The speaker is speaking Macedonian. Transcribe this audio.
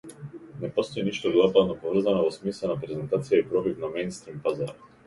Не постои ништо глобално поврзано во смисла на презентација и пробив на меинстрим пазарот.